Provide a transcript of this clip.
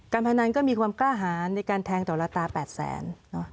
การพนันก็มีความกล้าหาในการแทงตัวละตาแปดแสน